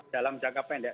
dalam jangka pendek